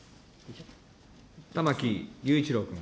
玉木雄一郎君。